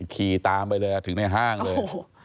ขี่ตามไปเลยถึงในห้างเลย